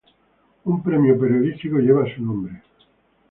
Un premio periodístico lleva su nombre.